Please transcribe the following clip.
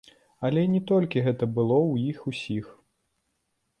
Але і не толькі гэта было ў іх усіх.